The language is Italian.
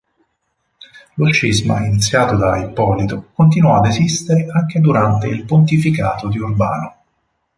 Lo scisma iniziato da Ippolito continuò ad esistere anche durante il pontificato di Urbano.